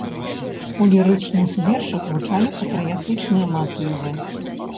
У лірычных вершах гучалі патрыятычныя матывы.